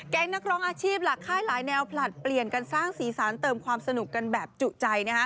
นักร้องอาชีพหลักค่ายหลายแนวผลัดเปลี่ยนกันสร้างสีสันเติมความสนุกกันแบบจุใจ